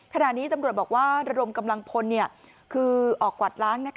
ขณะนี้ตำรวจบอกว่าระดมกำลังพลคือออกกวาดล้าง